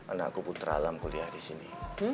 anakku putra alam aku lihat di sini